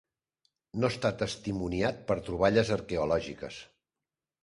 No està testimoniat per troballes arqueològiques.